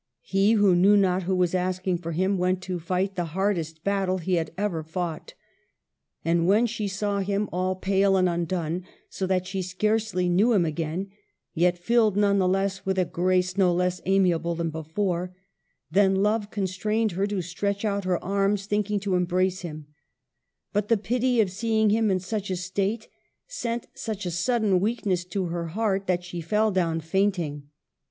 He, who knew not who was asking for him, went to fight the hardest battle he had ever fought. And when she saw him, all pale and undone, so that she scarcely knew him again, yet filled none the less with a grace no less amiable than before, then love constrained her to stretch out her arms, thinking to embrace him; but the pity of seeing him in such a state sent such a sudden weakness to her heart that she fell down fainting.